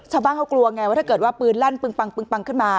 ชาวบ้านเขากลัวไงว่าถ้าเกิดว่าปืนลั่นปึงปังขึ้นมา